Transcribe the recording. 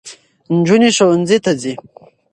نجونې ښوونځي ته ځي.